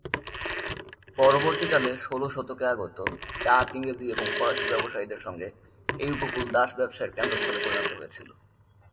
পরবর্তীকালে ষোলো শতকে আগত ডাচ, ইংরেজি এবং ফরাসি ব্যবসায়ীদের সঙ্গে এই উপকূল দাস ব্যবসায়ের কেন্দ্রস্থলে পরিণত হয়েছিল।